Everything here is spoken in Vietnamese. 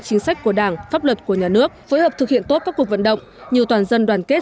chính sách của đảng pháp luật của nhà nước phối hợp thực hiện tốt các cuộc vận động nhiều toàn dân đoàn kết